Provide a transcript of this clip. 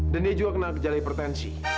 dia juga kena gejala hipertensi